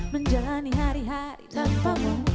menjalani hari hari tanpamu